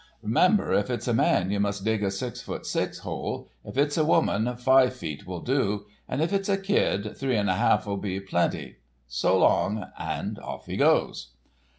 Remember, if it's a man, you must dig a six foot six hole; if it's a woman, five feet will do, and if it's a kid, three an' half'll be a plenty. S'long.' And off he goes.